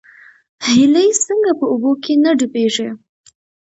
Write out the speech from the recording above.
هیلۍ څنګه په اوبو کې نه ډوبیږي؟